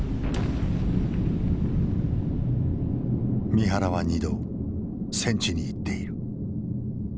三原は２度戦地に行っている。